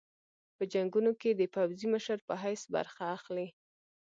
په جنګونو کې د پوځي مشر په حیث برخه اخلي.